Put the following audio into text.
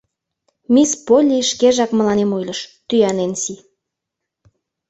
Мисс Полли шкежак мыланем ойлыш, — тӱя Ненси.